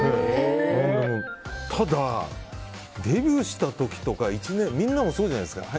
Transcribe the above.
ただ、デビューした時とかみんなもそうじゃないですか。